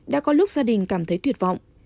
đã có lúc gia đình cảm thấy tuyệt vọng